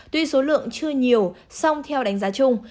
tuy số lượng chưa nhiều song theo đánh giá chung